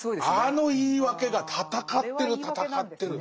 あの言い訳が戦ってる戦ってる。